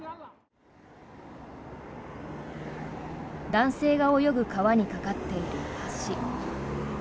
男性が泳ぐ川に架かっている橋。